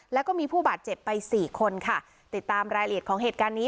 แล้วก็มีผู้บาดเจ็บไปสี่คนค่ะติดตามรายละเอียดของเหตุการณ์นี้